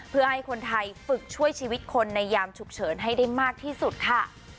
เพื่อให้คนไทยฝึกช่วยชีวิตคนในยามฉุกเฉินให้ได้มากที่สุดค่ะ